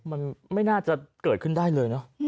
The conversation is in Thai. มันไม่น่าจะเกิดขึ้นได้เลยเนอะ